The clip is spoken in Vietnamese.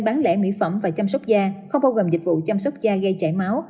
bán lẻ mỹ phẩm và chăm sóc da không bao gồm dịch vụ chăm sóc da gây chảy máu